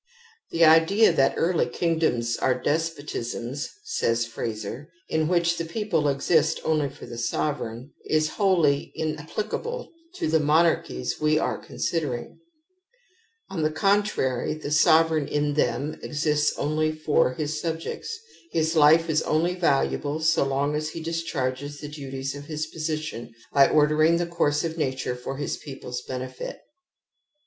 " The idea that early kingdoms are despotisms", says Frazer ^S " in which the people exist only for the «7 Frazer, Taboo. The Burden of RoyaUy, p. T. «8 he, p, 7. THE AMBIVALENCE OP EMOtlONS 75 sovereign, is wholly inapplicable to the mon archies we are considering. On the contrary, the sovereign in them exists only for his subjects : his life is only valuable so long as he discharges the duties of his position by ordering the course of nature for his people's benefit.